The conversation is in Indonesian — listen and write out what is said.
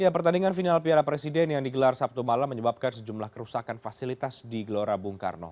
pertandingan final piala presiden yang digelar sabtu malam menyebabkan sejumlah kerusakan fasilitas di gelora bung karno